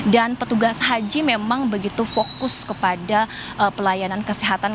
dan petugas haji memang begitu fokus kepada pelayanan kesehatan